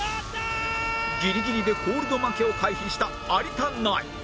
ギリギリでコールド負けを回避した有田ナイン